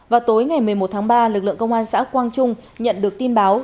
vào tối ngày một mươi một tháng ba lực lượng công an xã quang trung nhận được tin báo